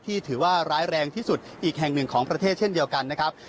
ถือว่าร้ายแรงที่สุดอีกแห่งหนึ่งของประเทศเช่นเดียวกันนะครับ